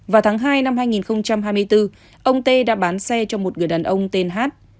vào tháng hai năm hai nghìn hai mươi bốn ông t đã bán xe cho một người đàn ông tên h d